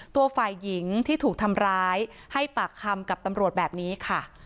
ตัวฝ่ายหญิงที่ถูกทำร้ายให้ปากคำกับตำรวจแบบนี้ค่ะ